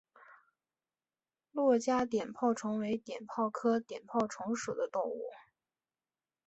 珞珈碘泡虫为碘泡科碘泡虫属的动物。